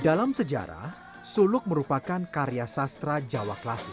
dalam sejarah suluk merupakan karya sastra jawa klasik